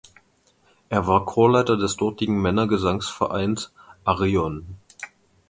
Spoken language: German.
Er war Chorleiter des dortigen Männergesangsvereins „Arion“.